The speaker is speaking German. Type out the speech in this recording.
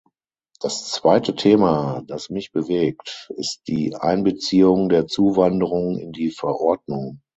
Das zweite Thema, das mich bewegt, ist die Einbeziehung der Zuwanderung in die Verordnung.